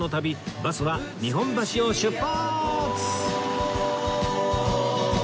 バスは日本橋を出発！